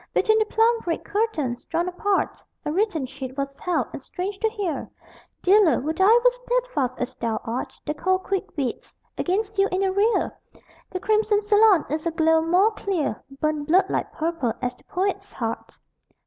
_ Between the plum red curtains, drawn apart, A written sheet was held.... And strange to hear (Dealer, would I were steadfast as thou art) The cold quick bids. (Against you in the rear!) The crimson salon, in a glow more clear Burned bloodlike purple as the poet's heart.